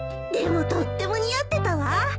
でもとっても似合ってたわ。